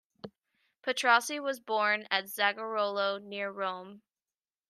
Petrassi was born at Zagarolo, near Rome.